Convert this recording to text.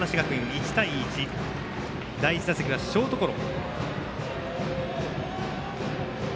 １対１、第１打席はショートゴロ。